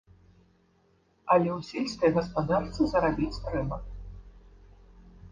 Але ў сельскай гаспадарцы зарабіць трэба.